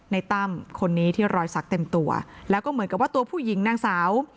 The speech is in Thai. ตั้มคนนี้ที่รอยสักเต็มตัวแล้วก็เหมือนกับว่าตัวผู้หญิงนางสาว